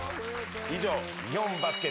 以上日本バスケ